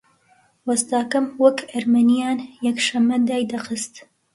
وەستاکەم وەک ئەرمەنییان یەکشەممە دایدەخست